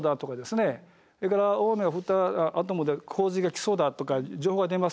それから大雨が降ったあとで洪水が来そうだとか情報が出ます。